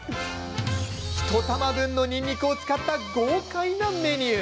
１玉分のにんにくを使った豪快なメニュー。